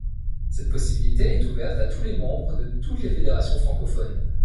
Cette possibilité est ouverte à tous les membres de toutes les fédérations francophones.